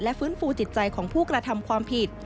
ฟื้นฟูจิตใจของผู้กระทำความผิด